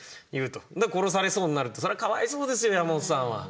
で殺されそうになるってそれはかわいそうですよ山本さんは。